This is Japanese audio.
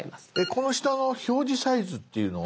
この下の「表示サイズ」っていうのは。